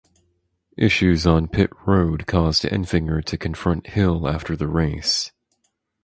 Issues on pit road caused Enfinger to confront Hill after the race.